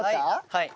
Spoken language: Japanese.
はい。